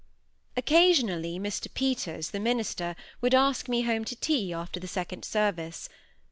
Occasionally, Mr Peters, the minister, would ask me home to tea after the second service.